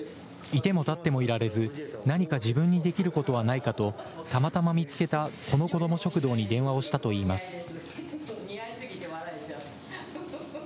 いてもたってもいられず、何か自分にできることはないかと、たまたま見つけたこの子ども食堂に電話をしたといいます。